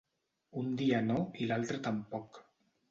Un dia no i l'altre tampoc.